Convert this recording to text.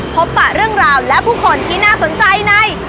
ปะเรื่องราวและผู้คนที่น่าสนใจใน